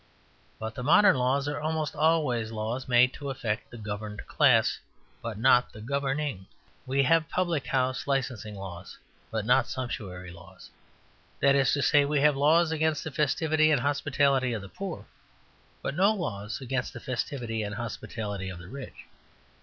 But the modern laws are almost always laws made to affect the governed class, but not the governing. We have public house licensing laws, but not sumptuary laws. That is to say, we have laws against the festivity and hospitality of the poor, but no laws against the festivity and hospitality of the rich.